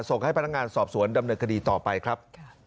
ส่งให้พนักงานสอบสวนดำเนินคดีต่อไปครับ